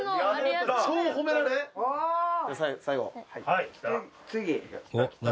「はい」